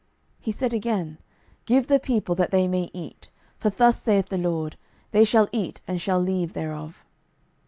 He said again, Give the people, that they may eat: for thus saith the LORD, They shall eat, and shall leave thereof.